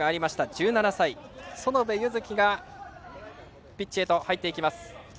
１７歳、園部優月がピッチへ入ります。